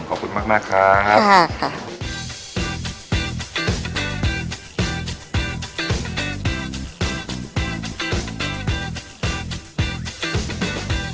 ขอบคุณมากครับ